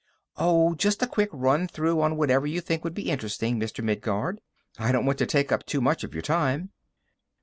"Oh, just a quick run through on whatever you think would be interesting, Mr. Midguard; I don't want to take up too much of your time."